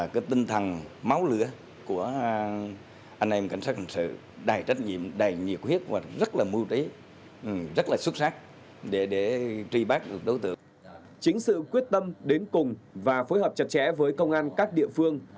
chính sự quyết tâm đến cùng và phối hợp chặt chẽ với công an các địa phương